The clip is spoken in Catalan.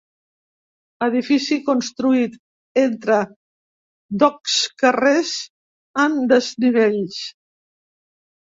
Edifici construït entre docs carrers en desnivell.